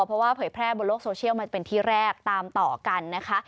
เพราะว่าเผยแพร่บนโลกโซเชียลมันเป็นที่แรกตามต่อกันนะคะ